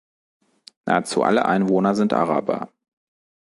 Nahezu alle Einwohner sind Araber.